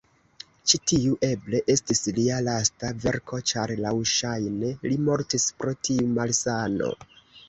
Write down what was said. Ĉi-tiu eble estis lia lasta verko ĉar laŭŝajne li mortis pro tiu malsano.